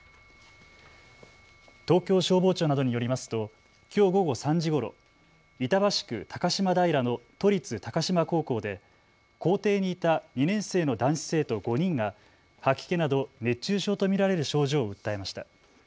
東京消防庁などによりますときょう午後３時ごろ、板橋区高島平の都立高島高校で校庭にいた２年生の男子生徒５人が吐き気など熱中症と見られる症状を訴えました。